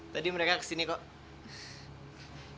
tadi mereka kesini kok